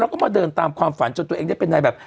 แล้วก็มาเดินตามความฝันจนตัวเองได้เป็นในแบบ